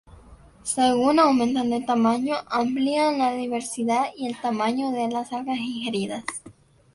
Según aumentan de tamaño, amplían la diversidad y el tamaño de las algas ingeridas.